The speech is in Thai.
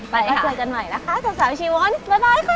ไปเจอกันใหม่นะคะสาวชีวร์บ๊ายบายค่ะ